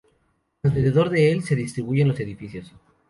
Alrededor de el se distribuyen los edificios.